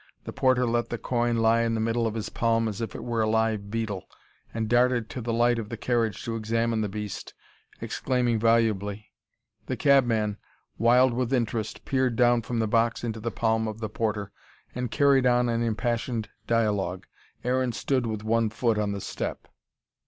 The porter let the coin lie in the middle of his palm, as if it were a live beetle, and darted to the light of the carriage to examine the beast, exclaiming volubly. The cabman, wild with interest, peered down from the box into the palm of the porter, and carried on an impassioned dialogue. Aaron stood with one foot on the step.